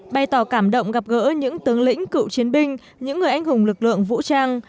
bày tỏ cảm động gặp gỡ những tướng lĩnh cựu chiến binh những người anh hùng lực lượng vũ trang